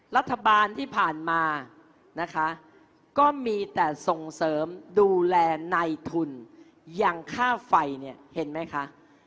รัฐบาลที่ผ่านมานะคะก็มีแต่ส่งเสริมดูแลในทุนอย่างค่าไฟเนี่ยเห็นไหมคะ